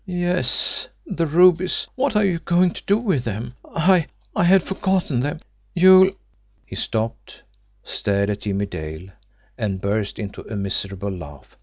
"Yes the rubies what are you going to do with them? I I had forgotten them. You'll " He stopped, stared at Jimmie Dale, and burst into a miserable laugh.